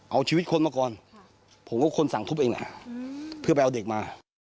เอาชีวิตคนมาก่อนผมก็คนสั่งทุบเองแหละเพื่อไปเอาเด็กมา